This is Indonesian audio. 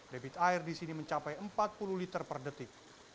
debit air di sini mencapai empat puluh liter per detik